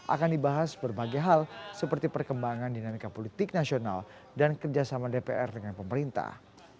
akan dibahas berbagai hal seperti perkembangan dinamika politik nasional dan kerjasama dpr dengan pemerintah